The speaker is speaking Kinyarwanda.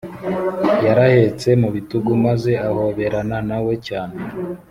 yarahetse mubitugu maze ahoberana nawe cyane